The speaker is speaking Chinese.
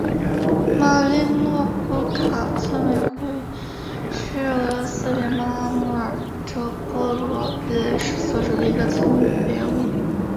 马利诺夫卡村委员会是俄罗斯联邦阿穆尔州布列亚区所属的一个村委员会。